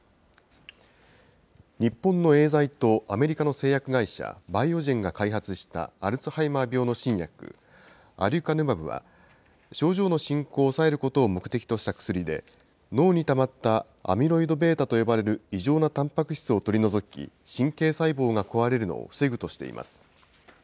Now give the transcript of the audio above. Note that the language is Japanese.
日本のエーザイとアメリカの製薬会社、バイオジェンが開発したアルツハイマー病の新薬、アデュカヌマブは、症状の進行を抑えることを目的とした薬で、脳にたまったアミロイドβと呼ばれる異常なたんぱく質を取り除き、神経細胞が壊れるのを防ぐとしています。